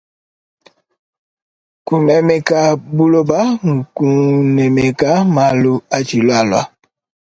Kunemeka buloba nkunemeka malu atshilualua.